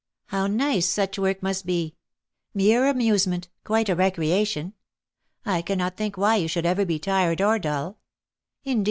how nice such work must be, mere amusement, quite a recreation! I cannot think why you should ever be tired or dull. Indeed, M.